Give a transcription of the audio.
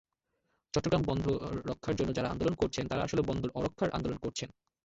চট্টগ্রাম বন্দর রক্ষার জন্য যাঁরা আন্দোলন করছেন, তাঁরা আসলে বন্দর অরক্ষার আন্দোলন করছেন।